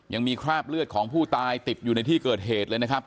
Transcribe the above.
ยังมีคราบเลือดของผู้ตายติดอยู่ในที่เกิดเหตุเลยนะครับ